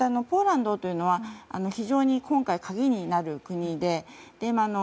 ポーランドというのは非常に今回鍵になる国で。